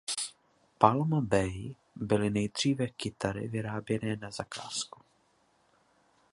Palm Bay byly nejdříve kytary vyráběné na zakázku.